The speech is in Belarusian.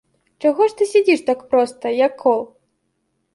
Чаго ж ты сядзіш так проста, як кол?